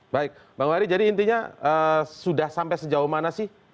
bang fahri jadi intinya sudah sampai sejauh mana sih